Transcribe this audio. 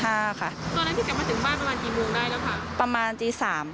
ตอนนั้นที่กลับมาถึงบ้านประมาณกี่โมงได้แล้วคะ